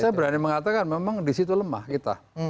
saya berani mengatakan memang di situ lemah kita